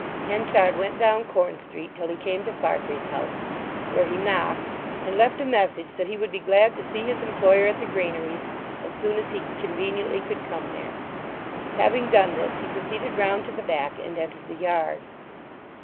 Henchard went down Corn Street till he came to Farfrae's house, where he knocked, and left a message that he would be glad to see his employer at the granaries as soon as he conveniently could come there. Having done this he proceeded round to the back and entered the yard.